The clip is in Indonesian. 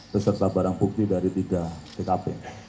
beserta barang bukti dari tiga tkp